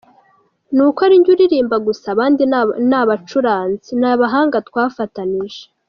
Ni uko ari njye uririmba gusa, abandi ni bacuranzi, ni abahanga twafatanyije.